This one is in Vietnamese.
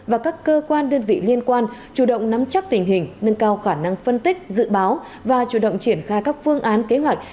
và các cơ quan đơn vị liên quan chủ động nắm chắc tình hình nâng cao khả năng phân tích dự báo và chủ động triển khai các phương án kế hoạch